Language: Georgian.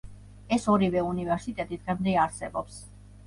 ეს ორივე უნივერსიტეტი დღემდე არსებობს.